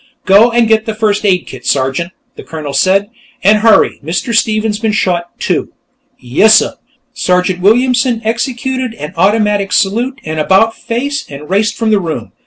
"Go get the first aid kit, Sergeant," the Colonel said. "And hurry. Mr. Stephen's been shot, too." "Yessuh!" Sergeant Williamson executed an automatic salute and about face and raced from the room.